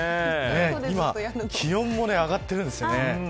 今、気温も上がっているんですね。